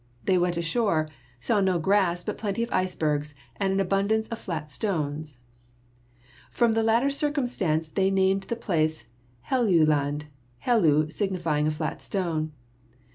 They went ashore, saw no grass, but plenty of icebergs and an abundance of 28 GEOLOGY flat stones. From the latter circumstance they named the place Helluland, hellu signifying" a flat stone.